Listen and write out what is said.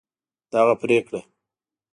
دغه پرېکړه